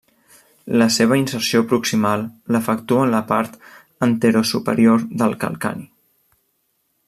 La seva inserció proximal l'efectua en la part anterosuperior del calcani.